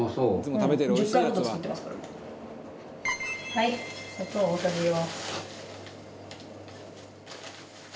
はい砂糖大さじ４。